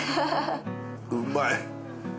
うまい！